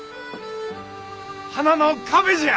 花の壁じゃ！